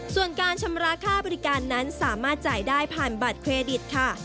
ส่วนการชำระค่าบริการนั้นสามารถจ่ายได้ผ่านบัตรเครดิตค่ะ